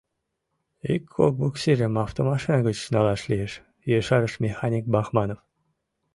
— Ик-кок буксирым автомашина гыч налаш лиеш, — ешарыш механик Бахманов.